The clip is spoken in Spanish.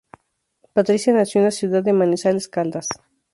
Patricia nació en la ciudad de Manizales, Caldas.